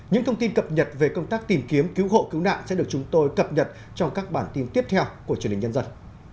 những thông tin cập nhật về công tác tìm kiếm cứu hộ cứu nạn sẽ được chúng tôi cập nhật trong các bản tin tiếp theo của truyền hình nhân dân